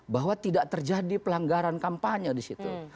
bahwa tidak terjadi pelanggaran kampanye di situ